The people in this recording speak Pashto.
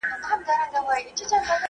ایا ته د انټرنیټ په ګټو خبر یې؟